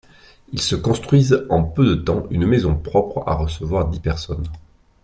Ils se construisent en peu de temps une maison propre à recevoir dix personnes.